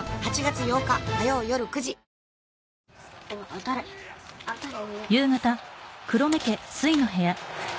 当たれ当たれ